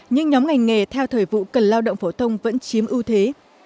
nhưng nhóm ngành nghề theo thời vụ cần lao động phổ thông vẫn chiếm ưu thế